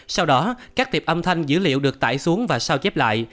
sau đó các tiệp âm thanh dữ liệu được tải xuống và sao chép lại